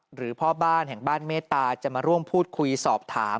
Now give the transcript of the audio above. หรือพ่อบ้านแห่งบ้านเมตตาจะมาร่วมพูดคุยสอบถาม